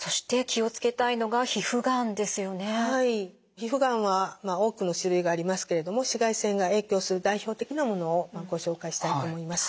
皮膚がんは多くの種類がありますけれども紫外線が影響する代表的なものをご紹介したいと思います。